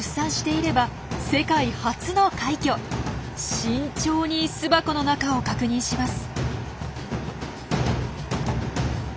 慎重に巣箱の中を確認します。